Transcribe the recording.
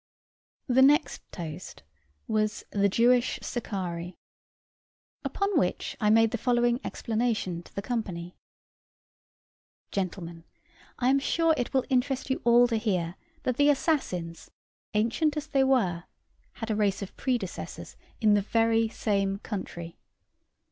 The next toast was The Jewish Sicarii. Upon which I made the following explanation to the company: "Gentlemen, I am sure it will interest you all to hear that the assassins, ancient as they were, had a race of predecessors in the very same country.